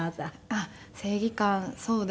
あっ正義感そうですね。